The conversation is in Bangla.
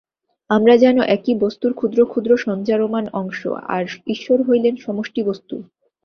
আমরা যেন একই বস্তুর ক্ষুদ্র ক্ষুদ্র সঞ্চরমাণ অংশ, আর ঈশ্বর হইলেন সমষ্টিবস্তু।